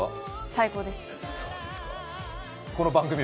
最高です。